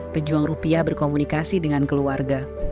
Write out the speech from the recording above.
pejuang rupiah berkomunikasi dengan keluarga